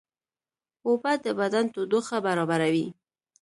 اوبه د بدن تودوخه برابروي